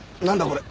これ。